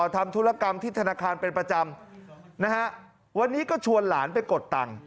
ทำธุรกรรมที่ธนาคารเป็นประจำนะฮะวันนี้ก็ชวนหลานไปกดตังค์